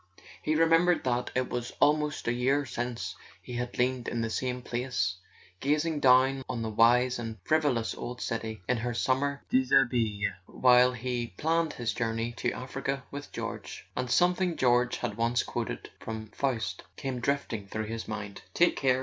He remembered that it was almost a year since he had leaned in the same place, gazing down on the wise and frivolous old city in her summer dishabille while he planned his journey to Africa with George; and something George had once quoted from Faust came drifting through his mind: "Take care!